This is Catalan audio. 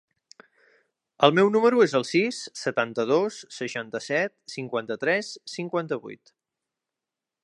El meu número es el sis, setanta-dos, seixanta-set, cinquanta-tres, cinquanta-vuit.